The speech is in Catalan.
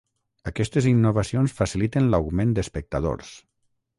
Aquestes innovacions faciliten l’augment d’espectadors.